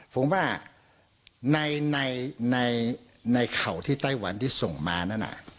ผมว่าในเข่าที่ไต้หวันที่ส่งมานั่น